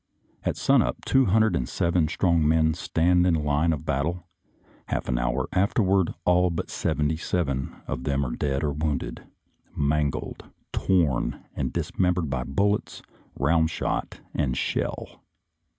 At sun up two hundred and seven strong men stand in line of battle ; half an hour afterward all but seventy seven of them are dead or wounded — mangled, torn, and dismembered by bullets, round shot, and shell.